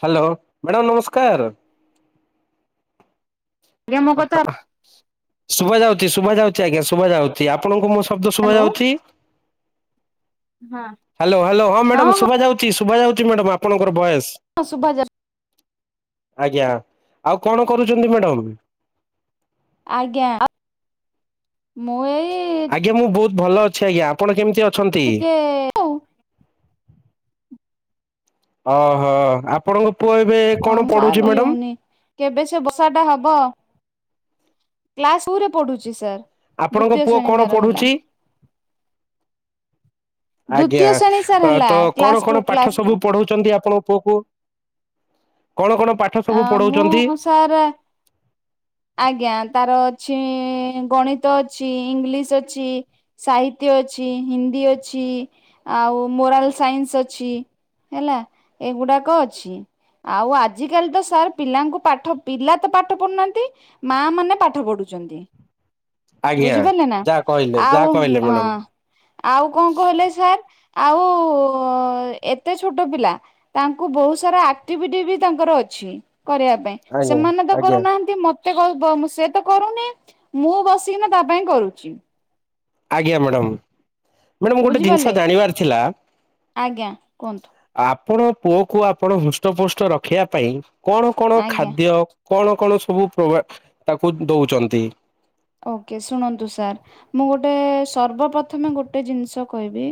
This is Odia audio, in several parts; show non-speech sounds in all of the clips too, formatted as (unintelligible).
ହାଲୋ ମାଡାମ୍ ନମସ୍କାର। ଆଜ୍ଞା ମୋ ଅହ କଥା ଅହ ଶୁଭା ଯାଉଛି ଶୁଭା ଯାଉଛି ଆଜ୍ଞା ଶୁଭା ଯାଉଛି ଆପଣଙ୍କୁ ମୋ ଶବ୍ଦ ଶୁଭା ହ୍ୟାଲୋ ଯାଉଛି? ହଁ ହାଲୋ ହାଲୋ ହଁ ମାଡାମ୍ ଶୁଭା ଯାଉ ଚି ଶୁଭାଯାଉଛି ମାଡ଼ାମ୍ ଆପଣଙ୍କର ଭଏସ୍। ହଁ ଶୁଭା ଯା ଆଜ୍ଞା ଆଉ କଣ କରୁଛନ୍ତି ମାଡମ୍? ଆଜ୍ଞା ଆପ୍ ମୁଁ ଏଇ ଆଜ୍ଞା ମୁଁ ବହୁତ ଭଲ ଅଛି ଆଜ୍ଞା। ଆପଣ କେମିତି ଅ ଟିକେ ଆଉ ଅହ ଆପଣଙ୍କୁ ହଁ ମୁଁ ସାର ରହି ହେଉନି। କେବେ ସେ ବର୍ଷାଟା ହବ? କ୍ଲାସ୍ ଉରେ ପଢୁଛି ସାର୍। ଆପଣଙ୍କ ଦ୍ଵିତୀୟ ପୁଅ ଶ୍ରେଣୀ କଣ ତାର ହେଲା ପଢୁଛି? ଆଜ୍ଞା, ଦ୍ଵିତୀୟ ଶ୍ରେଣୀ ସାର୍ ଅ ହେଲା ତ କଣ କ୍ଲାସ ଟୁ କଣ ପାଠ କ୍ଲାସ ସବୁ ଟୁ ପଢଉଛନ୍ତି ଆପଣଙ୍କ ପୁଅକୁ? କଣ କଣ ପାଠ ସବୁ ଆ ପଢଉଛନ୍ତି ମୁଁ ସାର୍ ଆଜ୍ଞା, ତାର ଅଛି ଗଣିତ ଅଛି ଇଂଲିଶ୍ ଅଛି ସାହିତ୍ୟ ଅଛି ହିନ୍ଦୀ ଅଛି ଆଉ ମୋରାଲ ସାଇନ୍ସ ଅଛି ହେଲା। ଏ ଗୁଡ଼ାକ ଅଛି। ଆଉ ଆଜିକାଲି ତ ସାର୍ ପିଲାଙ୍କୁ ପାଠ ପିଲା ତ ପାଠ ପଢୁନାହାଁନ୍ତି। ମା ମାନେ ପାଠ ପଢୁଛନ୍ତି। ଆଜ୍ଞା। ବୁଝିପାରିଲେ ନାଁ। ଯାହା କହିଲେ ଆଉ ଯାହା କହିଲେ ହଁ ମ୍ୟାଡ଼ାମ ଆଉ କଣ କହିଲେ ସାର୍ ଆଉ ଏତେ ଛୋଟ ପିଲା ତାଙ୍କୁ ବୋହୁତ ସାରା ଆକ୍ଟିଭିଟି ବି ତାଙ୍କର ଅଛି। କରିବା ପାଇଁ ଆଜ୍ଞା ସେମାନେ ତ ଆଜ୍ଞା କରୁନାହାନ୍ତି ମ ସେ କ ବ ମୁଁ ସେ ତ କରୁନି ମୁଁ ବସିକିନା ତା ପାଇଁ କରୁଚି। ଆଜ୍ଞା ମାଡ଼ମ୍। ମାଡ଼ାମ ଗୋଟେ ଜିନିଷ ବୁଝିପାରିଲେ ଜାଣିବାର ଥିଲା ଆଜ୍ଞା କୁହନ୍ତୁ ଆ ଆପଣ ପୁଅକୁ ଆପଣ ହୃଷ୍ଟ ପୃଷ୍ଟ ରଖିବା ପାଇଁ କଣ କଣ ଆଜ୍ଞା ଖାଦ୍ୟ କଣ କଣ ସବୁ ପ୍ର ତାକୁ ଦୋଉଚନ୍ତି? ଓକେ ଶୁଣନ୍ତୁ ସାର୍ ମୁଁ ଗୋଟେ ସର୍ବ ପ୍ରଥମେ ଗୋଟେ ଜିନିଷ କହିବି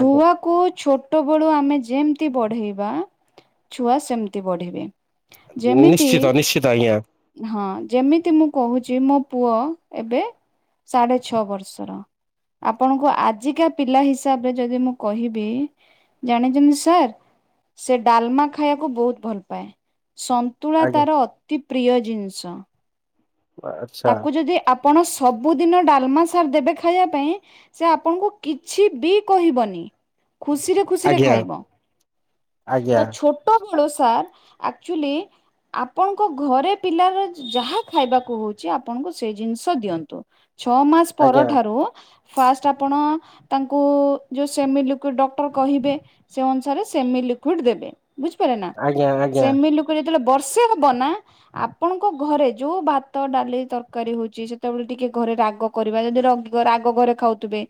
ଆଜ୍ଞା। ଛୋଟ ବେଳୁ ଆମେ ଯେ- ଯେମତି ବଢେଇବା ଛୁଆ ସେମତି ବଢିବେ। ଯେମିତି ନିଶ୍ଚିତ ନିଶ୍ଚିତ ଆଜ୍ଞା। ହଁ ଯେମିତି ମୁଁ କୋହୁ ଯେ ମୋ ପୁଅ ଏବେ ସାଢେ ଛଅ ବର୍ଷର ଆପଣଙ୍କୁ ଆଜିକା ପିଲା ହିସାବରେ ଯଦି ମୁଁ କହିବି ଜାଣିଛନ୍ତି ସାର୍ ସେ ଡାଲମା ଖାଇବାକୁ ବୋହୁତ ଭଲ ପାଏ। ସନ୍ତୁଳା ଆଜ୍ଞା ତାର ଅତି ପ୍ରିୟ ଜିନି ସ ଆଚ୍ଛା। ତାକୁ ଯଦି ଆପ୍ ଆପଣ ସବୁଦିନ ଡାଲମା ସାର୍ ଦେବେ ଖାଇବା ପାଇଁ ସେ ଆପଣଙ୍କୁ କିଛି ବି କହିବନି। ଖୁସିରେ ଖୁସିରେ ଆଜ୍ଞା। ଖାଇବ ଆଜ୍ଞା ତ ଛୋଟ ଳ ସାର୍ ଆକ୍ଚୁଲି ଆପଣଙ୍କ ଘରେ ପିଲାର ଯାହା ଖାଇବାକୁ ହଉ ଆପଣଙ୍କୁ ସେଇ ଜିନିଷ ଦିଅନ୍ତୁ। ଛଅ ମାସ ପର ଆଜ୍ଞା ଠାରୁ ଫାଷ୍ଟ ଆପଣ ତାଙ୍କୁ ଯୋଉ ସେମି ଲିକ୍ୟୁଡ୍ ଡକ୍ଟର୍ କହିବେ ସେ ଅନୁସାରେ ସେମି ଲିକ୍ୟୁଡ୍ ଦେବେ। ବୁଝିପାରେ ନା ଆଜ୍ଞା ଆଜ୍ଞା। ସେମି ଲିକ୍ୟୁଡ୍ ଯେତେବେଳେ ବର୍ଷେ ହବ ନା ଆପଣଙ୍କ ଘରେ ଯୋଉ ଭା ତ ଡାଲି ତରକାରୀ ହଉଛି ସେତେବେଳେ ଟିକେ ଘରେ ରାଗ କରିବା ଯଦି ରଗ୍ ରାଗ ଘରେ ଖାଉଥିବେ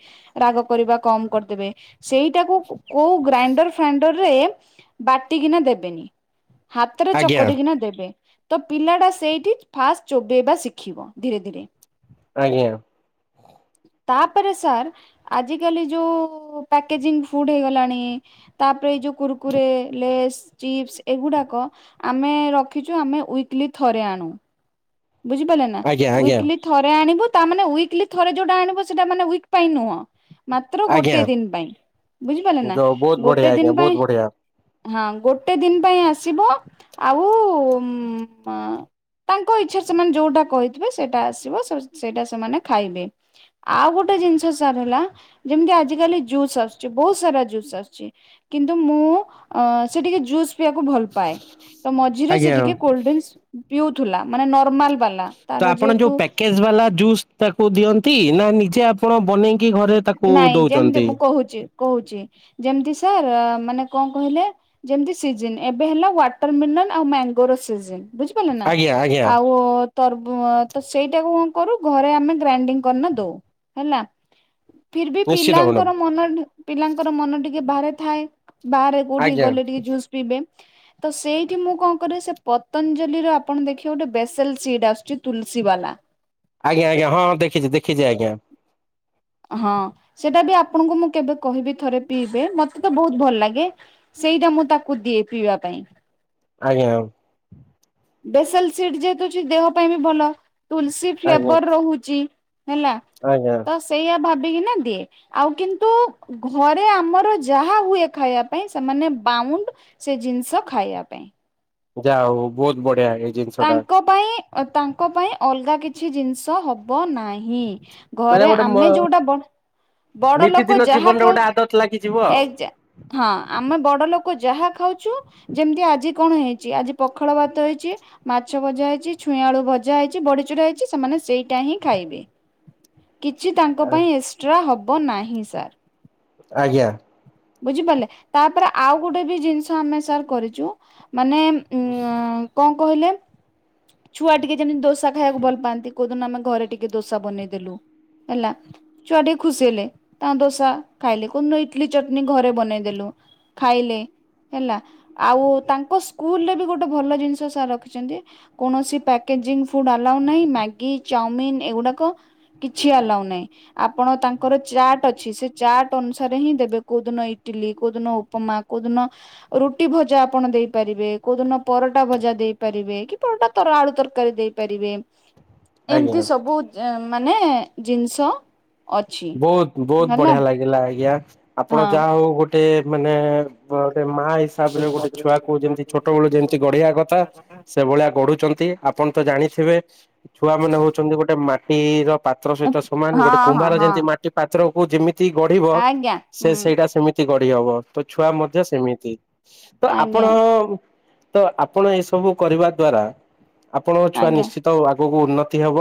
ରାଗ କରିବା କମ କରିଦେବେ। ସେଇଟାକୁ କୋଉ ଗ୍ରାଇଣ୍ଡର ଫ୍ରାଇଣ୍ଡର୍ ଏ ବାଟିକିନା ଦେବେନି ହାତରେ ଆଜ୍ଞା। ଚକଡିକିନା ଦେବେ। ତ ପିଲାଟା ସେଇଠି ଫାଷ୍ଟ ଚୋବେଇବା ଶିଖିବ ଧୀରେ ଧୀରେ ଆଜ୍ଞା। ତାପରେ ସାର୍ ଆଜିକାଲି ଯୋଉ ପ୍ୟାକେଜିଂ ଫୁଡ୍ ହେଇଗଲାଣି ତାପରେ ଯଉ କୁର୍ କୁରେ ଲେଶ୍ ଚିପ୍ସ ଏଗୁଡା ଆମେ ରଖିଛୁ ଆମେ ୱିକଲି ଥରେ ଆଣୁ ବୁଝିପାରିଲେ ନା ଆଜ୍ଞା ଆଜ୍ଞା ୱିକଲି ଥରେ ଆଣିବୁ ତା ମାନେ ୱିକଲି ଥରେ ଯୋଉଟା ଆଣିବ ସେଇଟା ମାନେ ୱିକ୍ ପାଇଁ ନୁହଁ ମାତ୍ର ଆଜ୍ଞା। ଗୋଟେ ଦିନ ପାଇଁ ବୁଝିପାରିଲେ ନା ଯ ବହୁତ ବଢିଆ ଗୋଟେ ଆଜ୍ଞା ଦିନ ବହୁତ ପାଇଁ ବଢିଆ। ହଁ ଗୋଟେ ଦିନ ପାଇଁ ଆସିବ ଆଉ ଉଁ ଆଁ ତାଙ୍କ ଇଚ୍ଛା ସେମାନେ ଯୋଉଟା କହିଥିବେ ସେଇଟା ଆସିବ ସେଇଟା ସେମାନେ ଖାଇବେ। ଆଉ ଗୋଟେ ଜିନିଷ ସାର୍ ହେଲା ଯେମିତି ଆଜି କାଲି ଜୁସ୍ ଆସୁଛି ବହୁତ ସାରା ଜୁସ ଆସୁଛି କିନ୍ତୁ ମୁଁ ଅଁ ସେ ଟିକେ ଜୁସ୍ ପିଆକୁ ଭଲ ପାଏ ତ ମଝିରେ ସିଏ ଆଜ୍ଞା। ଟିକେ କୋଲ୍ଡ୍ରିଙ୍କସ୍ ପିଉଥୁଲା ମାନେ ନ କମାଲ୍ ବାଲା ତାର ତ ଆପଣ ଯୋଉ ଯେହେତୁ ପ୍ୟାକେଜ ବାଲା ଜୁସ୍ ତାକୁ ଦିଅ ନ୍ତି ନା ନିଜେ ଆପଣ ବନେଇ କି ଘରେ ତାକୁ ନାଇଁ ଯେମିତି ଦଉଛନ୍ତି? ମୁଁ କହୁଛି କହୁଛି ଯେମିତି ସାର୍ ମାନେ କଣ କହିଲେ ଯେମିତି ସିଜିନ୍ ଏବେ ହେଲା ୱାଟରମିଲନ୍ ଆଉ ମ୍ୟାଙ୍ଗୋର ସିଜିନ୍ ବୁଝିପାରିଲେ ନା ଆଜ୍ଞା ଆଜ୍ଞା ଆଉ ତରବୁ ତ ସେଇଟାକୁ କଣ କରୁ ଘରେ ଆମେ ଗ୍ରାଇଣ୍ଡିଙ୍ଗ କରିନା ଦଉ ହେଲା ଫିର୍ ବି ନିଶ୍ଚିତ ମ୍ୟାଡ଼ାମ ପିଲାଙ୍କର ମନ ପିଲାଙ୍କର ମନ ଟିକେ ଭାରେ ଥାଏ ବାହାରେ କୋଉଠିକି ଆଜ୍ଞା। ଗଲେ ଟିକେ ଜୁସ୍ ପିଇବେ ତ ସେଇଠି ମୁଁ କଣ କରେ ସେ ପତଞ୍ଜଲିର ଆପଣ ଦେଖିବେ ଗୋଟେ ବେସେଲ୍ ସିଡ ଆସୁଛି ତୁଲସୀ ବାଲା ଆଜ୍ଞା ଆଜ୍ଞା ହଁ ହଁ ଦେଖିଛି ଦେଖିଛି ଆଜ୍ଞା। ହଁ ସେଟା ବି ଆପଣଙ୍କୁ ମୁଁ କେବେ କହିବି ଥରେ ପିଇବେ ମତେ ତ ବହୁତ ଭଲ ଲାଗେ ସେଇଟା ମୁଁ ତାକୁ ଦିଏ ପିଇବା ପାଇଁ। ଆଜ୍ଞା। ବେସେଲ ସିଡ଼ ଯେହେତୁ ଅଛି ଦେହ ପାଇଁ ବି ଭଲ। ତୁଲସୀ ଆଜ୍ଞା ଫ୍ଲେବର ରହୁଚି। ହେଲା ଆଜ୍ଞା। ତ ସେଇଆ ଭାବ୍ ବି କିନା ଦିଏ ଆଉ କିନ୍ତୁ ଘରେ ଆମର ଯାହା ହୁଏ ଖାଇଆ ପାଇଁ ସେମାନେ ବାଉଣ୍ଡ ସେ ଜିନିଷ ଖାଇଆ ପାଇଁ। ଯାହା ହଉ ବହୁତ ବଢ ଢିଆ ଏଇ ଜିନିଷଟା। ତାଙ୍କ ପାଇଁ ତାଙ୍କ ପାଇଁ ଅଲଗା କିଛି ଜିନିଷ ହ ହବ ନାହିଁ ମାନେ ଘରେ ଗୋଟେ ମ ଆମେ ଯୋଉଟା ବ-ବଡ ଲୋକ ନିତିଦିନ ଯାହା ଜୀବନରେ ଗୋଟେ ଖାଉଛୁ ଆଦତ ଲାଗିଯିବ ଆଉ। ଏକଯା ହଁ ଆମେ ବଡ ଲୋ କ ଯାହା ଖାଉଛୁ ଯେମିତି ଆଜି କଣ ହେଇଛି ଆଜି ପଖାଳ ଭାତ ହେଇଚି ମାଛ ଭଜା ହେଇଛି, ଛୁଇଁ ଆଳୁ ଭଜା ହେଇଛି, ବଡିଚୁୁରା ହେଇଛି ସେମାନେ ସେଇଟା ହିଁ ଖାଇବେ। କିଛି ତାଙ୍କ ପାଇଁ ଏକ୍ସଟ୍ରା ହବ୍ ହବ ନାହିଁ ସାର୍। ଆଜ୍ଞା। ବୁଝିପାରିଲେ ତାପରେ ଆଉ ଗୋଟେ ବି ଜିନିଷ ଆମେ ସାର୍ କରିଚୁ ମାନେ ଉଁଆଁ କଁ କହିଲେ ଛୁଆ ଟିକେ ଯେମିତି ଦୋସା ଖାଇବାକୁ ଭଲ ପାଆନ୍ତି କଉଦିନ ଆମେ ଘରେ ଟିକେ ଦୋସା ବନେଇଦେଲୁ ହେଲା ଛୁଆ ଟିକେ ଖୁସି ହେଲେ ତାଙ୍କ ଦୋସା ଖାଇଲେ କଉଦିନ ଇଟଲି ଚଟନୀ ଘରେ ବନେଇଦେଲୁ ଖାଇଲେ ହେଲା ଆଉ ତାଙ୍କ ସ୍କୁଲ ରେ ବି ଗୋଟେ ଭଲ ଜିନିଷ ସାର ରଖିଛନ୍ତି। କୌଣସି ପ୍ୟାକେଜିଂ ଫୁଡ ଆଲାଓ ନାହିଁ ମ୍ୟାଗି ଚାଉମିନ୍ ଏଗୁଡାକ କିଛି ଆଲାଓ ନାହିଁ ଆପଣ ତାଙ୍କର ଚାଟ୍ ଅଛି ସେ ଚାଟ୍ ଅନୁସାରେ ହିଁ ଦେବେ କଉ ଦିନ ଇଟିଲି କୋଉ ଦିନ ଉପମା କୋଉ ଦିନ ରୁଟି ଭଜା ଆପଣ ଦେଇପାରିବେ କଉ ଦିନ ପରଟା ଭଜା ଦେଇପାରିବେ କି ଟା ତର ଆଳୁ ତରକାରୀ ଦେଇ ପାରିବେ। ଏମିତି ଆଜ୍ଞା ସବୁ ମାନେ ଜିନିଷ ଅଛି ବହୁତ ବହୁତ ହେଲା ବଢିଆ ଲାଗିଲା ଆଜ୍ଞା ଆପଣ ହଁ। ଯାହା ହଉ ଗୋଟେ ଗୋଟେ ମାନେ ସେ ମା ହିସାବ ରେ ଗୋଟେ ଛୁଆକୁ ଯେମିତି ଛୋଟ ବେଳୁ ଯେମିତି ଗଢେଇବା କଥା ସେ ଭଳିଆ ଗଢୁଛନ୍ତି ଆପଣ ତ ଜାଣିଥିବେ ଛୁଆ ମାନେ ହଉଛନ୍ତି ଗୋଟେ ମା ଏଇ ର ପାତ୍ର ସହିତ ସମାନ ଗୋଟେ ହଁ ହଁ କୁମ୍ଭାର ହଁ ଯେମିତି ପାତ୍ରକୁ ଯେମିତି ତି ଗଢିବ ଆଜ୍ଞା ସେ ହୁଁ ସେଇଟା ସେମିତି ଗଢ ହବ ତ ଛୁଆ ମଧ୍ୟ ସେମିତି ତ ଆପଣ ଆଜ୍ଞା ତ ଆପଣ ଏ ସବୁ କରିବା ଦ୍ଵାରା ଆପଣଙ୍କ ଛୁଆ ଆଜ୍ଞା ନିଶ୍ଚିତ ଆ ଆଗକୁ ଉନ୍ନତି ହବ।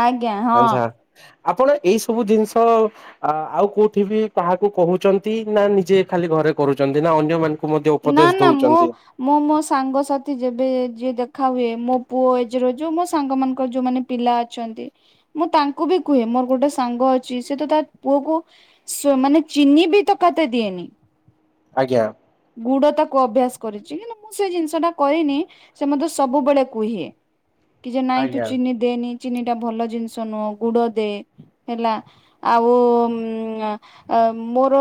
ଆଜ୍ଞା ହଁ। ଆଛା ଆପଣ ଏଇ ସବୁ ଜିନିଷ ଆଉ କୋଉଠି ବି କାହାକୁ କହୁଛନ୍ତି ନା ନିଜେ ଖାଲି ଘରେ କରୁଛନ୍ତି ନା ଅନ୍ୟ ମ ନା ନା ମୁଁ ମୁଁ ମୋ ସାଙ୍ଗସାଥି ଯେବେ ଯିଏ ଦେଖ ଖା ହୁଏ ମୋ ପୁଅ ଏଜ ର ଯୋଉ ମୋ ସାଙ୍ଗ ମାନଙ୍କର ଯୋଉମାନ ପିଲା ଅଛନ୍ତି ମୁଁ ତାଙ୍କୁ ବି କୁହେ ମୋର ଗୋଟେ ସାଙ୍ଗ ଅଛି ସେ ତ ତା ପୁଅ କ ମାନେ ଚିନି ବି ତକାତ ଦିଏନି। ଆଜ୍ଞା। ଗୁଡ ତାକୁ ଅଭ୍ୟାସ କରିଛି କିନ୍ତୁ ମୁଁ ସେ ଜିନିଷ ଟା କରିନି ସେ ମଧ୍ୟେ ସବୁବେଳେ କୁହେ। କି ଯେ ନାଇଁ ତୁ ଆଜ୍ଞା ଚିନି ଦେନି ଚିନି ଟା ଭଲ ଜିନିଷ ନୁହଁ ଗୁଡ ଦେ ହେଲା ଆଉ ମୋର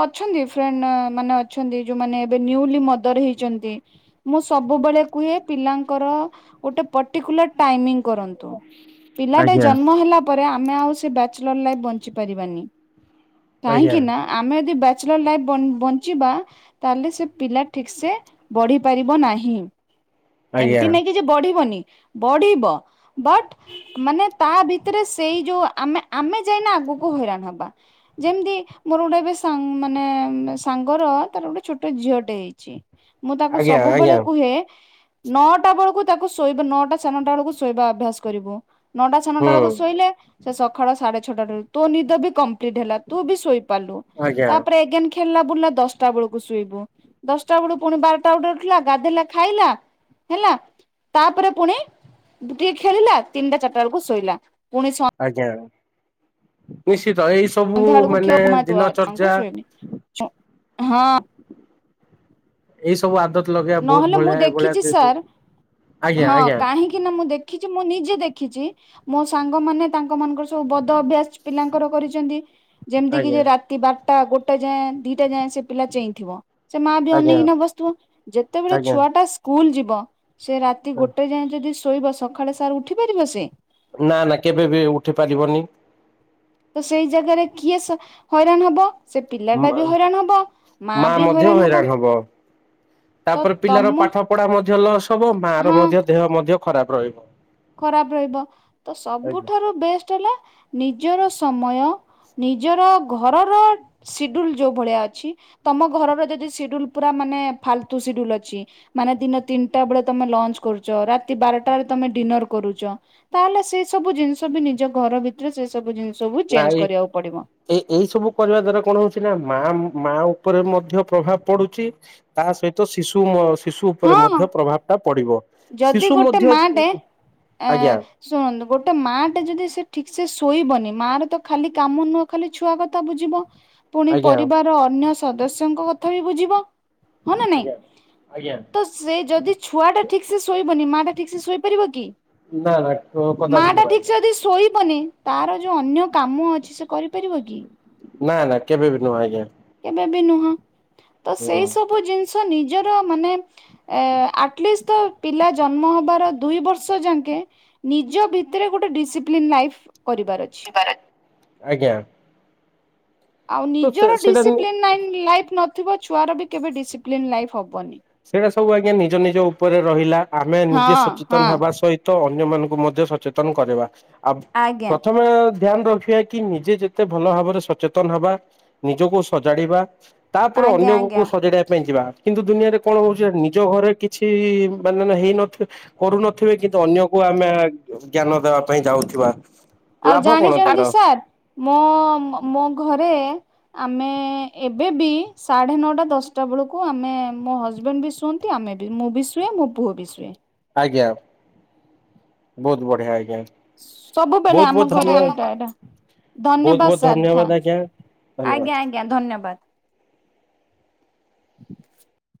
ଅଛନ୍ତି ଫ୍ରେଣ୍ଡ ମାନେ ଛନ୍ତି ଯୋଉମାନେ ଏବେ ନିୟୁଲି ମଦର ହେଇଛନ୍ତି ମୁଁ ସବୁବେଳେ କୁହେ ପିଲାଙ୍କର ଗୋଟେ ପଟିକୁଲର ଟାଇମିଙ୍ଗ କରନ୍ତୁ ପିଲାଟେ ଆଜ୍ଞା ଜନ୍ମ ହେଲା ପରେ ଆ ଆମେ ଆଉ ସେ ବ୍ୟାଚଲର ଲାଇଫ ବଞ୍ଚି ପାରିବାନି। କାହିଁକି ଆଜ୍ଞା ନା ଆମେ ଯଦି ଵା ବ୍ୟାଚଲର ଲାଇଫ୍ ବଞ୍ଚିବା ତାହେଲେ ସେ ପିଲା ଠିକ ସେ ବଢି ପାରିବ ନାହିଁ। ଆଜ୍ଞା ଏମିତି ନାଇଁ କି ଯେ ବଢିବନି ବଢିବ ବଟ ମାନେ ତା ଭିତରେ ସେଇ ଯୋଉ ଆମେ ଆମେ ଯାଇନା ଆଗକୁ ହଇରାଣ ହବା ଯେମିତି ମୋର ଗୋଟେ ଏବେ ସା ମାନେ ସାଙ୍ଗର ତାର ଗୋଟେ ଛୋଟ ଝିଅଟେ ହେଇଚି। ମୁଁ ତାକୁ ଆଜ୍ଞା ସବୁବେଳେ ଆଜ୍ଞା କୁହେ ନଅଟା ବେଳକୁ ତାକୁ ଶୋଇବା ନଅଟା ସାଢେ ନଅଟା ବେଳକୁ ଶୋଇବା ଅଭ୍ୟାସ କରିବ ନଅଟା ସାଢ଼େ ନଅଟା ହୁଁ ବେଳକୁ ଶୋଇଲେ ସେ ସକାଳ ସାଢେ ଛୋଟରୁ ତୋ ନିଦ ବି କମ୍ ମ୍ପ୍ଲିଟ ହେଲା ତୁ ବି ସୋଇ ପାରିଲୁ ଆଜ୍ଞା ତାପରେ ଏଗେନ୍ ଖେଳିଲା ବୁଲିଲା ଦଶ୍ ବେଳକୁ ଶୁଇବୁ ଦଶଟା ବେଳୁ ପୁଣି ବାରଟା ଗୁଟେ ଉଠିଲା ଗାଧେଇଲା ଖାଇଲା ହେଲା ତାପରେ ପୁଣି ଟିକେ ଖେଳିଲା ତିନିଟା ଚାରିଟା ବେଳକୁ ଶୁଇଲା। ଆଜ୍ଞା। ପୁଇସ୍ ହିତ ଏଇ ସବୁ ସନ୍ଧ୍ୟା ବେଳକୁ ଖିଅ ମାନେ ଛୁଆଙ୍କୁ ଦିନଚର୍ଯ୍ୟା ଶୋଇନି ହଁ। ଏଇ ସବୁ ଆଦତ୍ ନହେଲେ ମୁଁ ଦେଖିଛି ସାର୍ ଆଜ୍ଞା ହଁ ଆଜ୍ଞା କାହିଁକି ନା ମୁଁ ଦେ ଖିଛି ମୁଁ ନିଜେ ଦେଖିଛି ମୋ ସାଙ୍ଗମାନେ ତାଙ୍କ ମାନଙ୍କର ସବୁ ବଦ ଅଭ୍ୟାସ ପିଲାଙ୍କର କରିଛନ୍ତି। ଯେମିତି କି ଆଜ୍ଞା ଯେ ରାତି ବାର୍ ଟା, ଗୋଟା ଯାଏଁ, ଦିଟା ଯାଏଁ ସେ ପିଲା ଚେଇଁଥିବ। ସେ ମା ବି ଆଜ୍ଞା ଅନେଇକିନା ବସିଥିବ। ଯେତେବେଳେ ଆଜ୍ଞା ଛୁଆଟା ସ୍କୁ ଉଲ୍ ଯିବ ସେ ରାତି ଗୋଟେ ଯାଏଁ ଜଦି ସ୍ ଶୋଇବ ସଖାଳେ ସାର୍ ଉଠି ପାରିବ ସେ? ନା ନା କେବେ ବି ଉଠି ପାରିବନି। ତ ସେଇ ଜାଗାରେ କିଏ ସା ହଇରାଣ ହବ। ସେ ପିଲାଟା ବି ହୁମ୍ବାଉ ହଇରାଣ ହବ ମା ମଧ୍ୟ ହଇରାଣ ହବ। ତ ତାପରେ ପିଲାର ତମ ପାଠ ପଢା ମ ଜେଲସ୍ ତମ ମା ର ହଁ ମଧ୍ୟ ଦେହ ମଧ୍ୟ ଖରାପ୍ ରହିବ। ଖରାପ ରହିବ ତ ଆଜ୍ଞା ସବୁଠାରୁ ବେଷ୍ଟ୍ ହେଲା, ନିଜର ସ୍ ତମୟ ନିଜର ଘରର ସିଡୁଲ୍ ଯୋଉଭଳିଆ ଅଛି, ତମ ଘରର ଯଦି ସିଡୁଲ୍ ପୁରା ମାନେ ଫାଲତୁ ସିଡୁଲ୍ ଅଛି, ମାନେ ଦିନ ତିନିଟା ବେଳେ ତମେ ଲଞ୍ଚ କରୁଛ ରାତି ବାରଟ ତମେ ଡିନର୍ କରୁଚ ତାହେଲେ ସେ ସବୁ ଜିନିସ ବି ନିଜ ଘର ଭିତରେ ସେ ସବୁ ଜିନ୍ ନା ଏଇ-ଏ-ଏଇ ସବୁ କରିବା ଦ୍ଵାରା କଣ ହଉଛି ନା ଆମ ମା-ମା ଉପରେ ମଧ୍ୟ ପ୍ରଭାବ ପଡୁଛି ତା ସହିତ ଶିଶୁ ମ ହଁ ଯଦି ଶିଶୁ ଗୋଟେ ମଧ୍ୟ ମା ଟେ ଆଁ ଆଜ୍ଞା ଶୁଣନ୍ତୁ ଗୋଟେ ମା ଟେ ଯଦି ସେ ଠିକ୍ ସେ ଶୋଇବନି ମା ର ତ ଖାଲି କାମ ନୁହଁ ଖାଲି ଛୁଆ କଥା ବୁଝିବ। ପୁଣି ଆଜ୍ଞା ପରିବାର ଅନ୍ୟ ସ ସଦସ୍ୟଙ୍କ କଥା ବି ବୁଝିବ। ହଁ ନା ନାଇଁ ଆଜ୍ଞା। ଆଜ୍ଞା ତ ସେ ଯଦି ଛୁଆ ଟା ଠିକ୍ ସେ ଶୋଇବନି ମା ଟା ଠିକ୍ ସେ ଶୋଇପାରିବ କି? ନା ନା ମା କଦାପି ଟା ନୁହଁ ଠିକ୍ ଆଜ୍ଞା ସେ ଯଦି ଶୋଇ ବନି ତାର ଯୋଉ ଅନ୍ୟ କାମ ଅଛି ସେ କରିପାରିବ କି? ନା ନା କେବେ ବି ନୁହଁ ଆଜ୍ଞା। କେବେ ନୁହଁ। ତ ହୁଁ। ସେଇ ସବୁ ଜିନିଷ ନିଜ ନିଜର ମାନେ ଉମ୍ ଆଟଲିଷ୍ଟ ପିଲା ଜନ୍ମ ହବାର ଦୁଇ ବର୍ଷ ଯାଙ୍କେ ନିଜ ଭିତରେ ଗୋଟେ ଡିସିପ୍ଲିନ୍ ଲାଇଫ କରିବାର ଅଛି। ଆଜ୍ଞା। ଆଉ ତ ସେ ନିଜର ସେଇଟା ଡିସିପ୍ଲିନ୍ ଲାଇଫ ନ ଥିବା ଛୁଆର ବି କେବେ ଡିସିପ୍ଲିନ୍ ଲାଇଫ୍ ହବନି। ସେଇଟା ସବୁ ଆଜ୍ଞା ନିଜ ନିଜ ଉପରେ ରହିଲା। ଆମେ ନିଜେ ହଁ ସଚେତନ ହଁ ହେବା ସହିତ ଅନ୍ୟ ମାନଙ୍କୁ ମଧ୍ୟ ସଚେତନ କରିବା ଆ ଆଜ୍ଞା ପ୍ରଥମେ ଧ୍ୟାନ ରଖିବା କି ନିଜେ ଯେତେ ଭଲ ଭାବରେ ସଚେତନ ହବା ନିଜକୁ ସଜାଡିବା ତାପରେ ଆଜ୍ଞା ଅନ୍ୟକୁ ଆଜ୍ଞା ସଜାଡିବା ପାଇଁ ଯିବା। କିନ୍ତୁ ଦୁନିଆରେ କଣ ହଉଛି ନିଜ ଘରେ କିଛି ମାନେ ହେଇନ କରୁନଥିବେ କିନ୍ତୁ ଅନ୍ୟକୁ ଆମେ ଜ୍ଞାନ ଦେବା ପାଇଁ ଯାଉଥିବା। ଆଉ ଲାଭ କଣ ଜାଣିଛନ୍ତି ତାର ସାର୍, ମୋ ମୋ ଘରେ ଆମେ ଏବେ ବି ସାଢେ ନଅଟା ଦଶଟା ବେଳକୁ ଆମେ ମୋ ହଜବେଣ୍ଡ ବି ଶୁଅନ୍ତି, ଆମେ ବି ମୁଁ ବି ଶୁଏ, ମୋ ପୁଅ ବି ଶୁଏ। ଆଜ୍ଞା ବହୁତ ବଢିଆ ଆଜ୍ଞା ସବୁବେଳେ ବହୁତ ଆମ ବହୁତ ଘରେ ଏଟା ଧନ୍ୟବାଦ ଏଟା ବହୁତ ଧନ୍ୟବାଦ ବହୁତ ସାର ଧନ୍ୟବାଦ ଆଜ୍ଞା ଥାଙ୍କ ଧନ୍ୟବାଦ। ଆଜ୍ଞା ଆଜ୍ଞା ଧନ୍ୟବାଦ। (unintelligible)